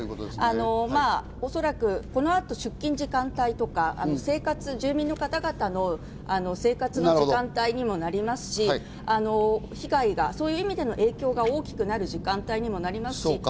おそらくこの後、出勤時間帯とか住民の方々の生活の時間帯にもなりますし、被害の影響が大きくなる時間帯にもなりますし。